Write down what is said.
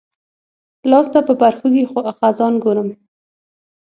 لاستا په پرښوکې خزان ګورم